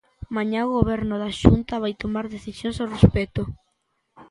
Mañá o Goberno da Xunta vai tomar decisións ao respecto.